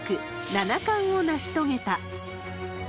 七冠を成し遂げた。